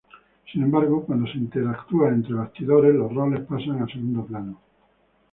Sin embargo, cuando se interactúa entre bastidores, los roles pasan a segundo plano.